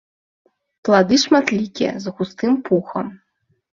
Плады шматлікія, з густым пухам.